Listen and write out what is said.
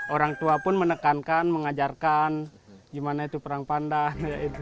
orang tua pun menekankan mengajarkan gimana itu perang pandan